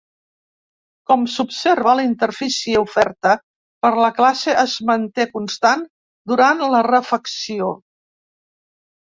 Com s'observa, la interfície oferta per la classe es manté constant durant la refacció.